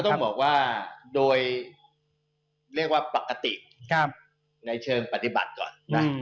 ต้องบอกว่าโดยเรียกว่าปกติในเชิงปฏิบัติก่อนนะ